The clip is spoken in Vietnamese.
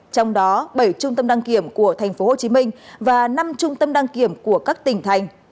trong đó bảy trung tâm đăng kiểm của thành phố hồ chí minh và năm trung tâm đăng kiểm của các tỉnh thành